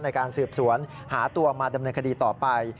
ในการสืบสวนหาตัวมาดำเนินคดีต่อไป